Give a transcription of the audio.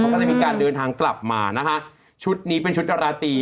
ก็จะมีการเดินทางกลับมานะคะชุดนี้เป็นชุดดาราตรี